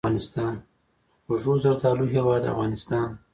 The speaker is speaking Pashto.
د خوږو زردالو هیواد افغانستان.